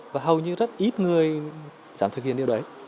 và hầu như rất ít người dám thực hiện điều đấy